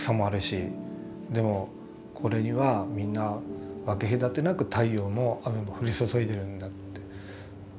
でもこれにはみんな分け隔てなく太陽も雨も降りそそいでるんだって。